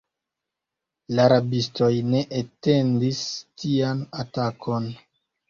La rabistoj ne atendis tian atakon.